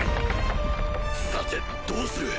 さてどうする？